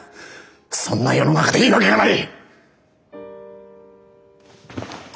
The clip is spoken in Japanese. そんな世の中でいいわけがない！